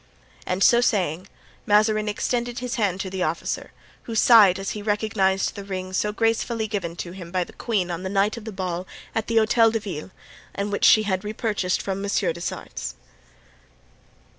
And so saying, Mazarin extended his hand to the officer, who sighed as he recognized the ring so gracefully given to him by the queen on the night of the ball at the Hotel de Ville and which she had repurchased from Monsieur des Essarts.